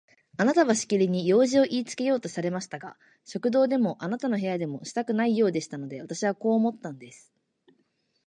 あなたはしきりに用事をいいつけようとされましたが、食堂でもあなたの部屋でもしたくないようでしたので、私はこう思ったんです。